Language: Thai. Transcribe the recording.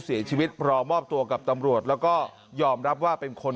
เสียชีวิตรอมอบตัวกับตำรวจแล้วก็ยอมรับว่าเป็นคน